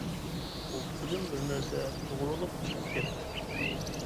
قولتۇقىدىن بىر نەرسە سۇغۇرۇلۇپ چىقىپ كەتتى.